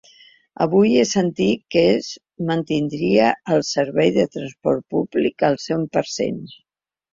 Avui he sentit que es mantindria el servei de transport públic al cent per cent.